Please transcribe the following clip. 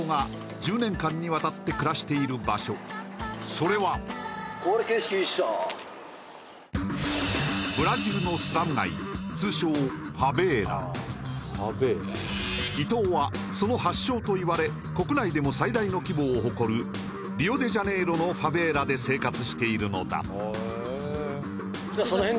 そんな伊藤がそれはブラジルのスラム街通称ファベーラ伊藤はその発祥といわれ国内でも最大の規模を誇るリオデジャネイロのファベーラで生活しているのだ